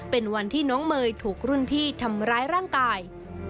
เป็นวันที่น้องเมย์ถูกรุ่นพี่ทำร้ายร่างกาย